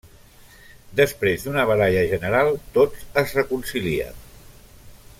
Després d'una baralla general, tots es reconcilien.